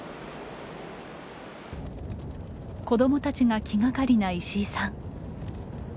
子どもたちが気がかりな石井さん。